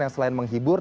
yang selain menghibur